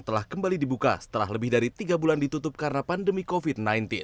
telah kembali dibuka setelah lebih dari tiga bulan ditutup karena pandemi covid sembilan belas